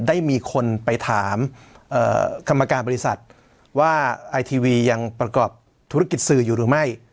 ได้มีคนไปถามกรรมการบริษัทว่าไอทีวียังประกอบธุรกิจสื่ออยู่หรือไม่